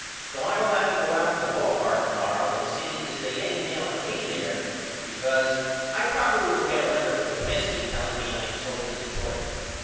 So I will have to go out to the ball park to morrow and see is they any mail for me there because I probily will get a letter from Comiskey telling me I am sold to Detroit.